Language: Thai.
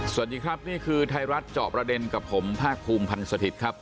สวัสดีครับนี่คือไทยรัฐเจาะประเด็นกับผมภาคภูมิพันธ์สถิตย์ครับ